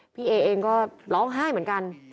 พี่เอเองก็ร้องไห้เหมือนกัน